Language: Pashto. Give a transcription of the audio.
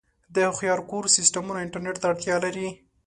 د هوښیار کور سیسټمونه انټرنیټ ته اړتیا لري.